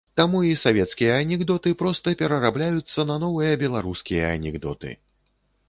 Таму і савецкія анекдоты проста перарабляюцца на новыя беларускія анекдоты.